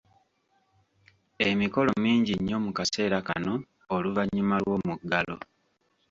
Emikolo mingi nnyo mu kaseera kano oluvannyuma lw'omuggalo.